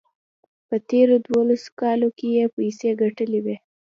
په تېرو دولسو کالو کې یې پیسې ګټلې وې.